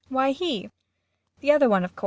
] Why, he the other one, of course.